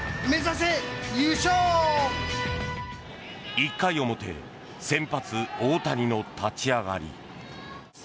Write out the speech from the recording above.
１回表、先発、大谷の立ち上がり。